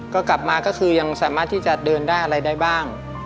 ก็กลับมาก็คือยังสามารถที่จะเดินได้อะไรได้บ้าง